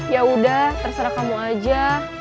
yaudah terserah kamu aja